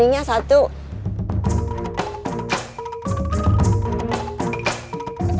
dengan era tujuan